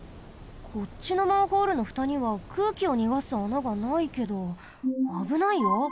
こっちのマンホールのふたにはくうきをにがす穴がないけどあぶないよ。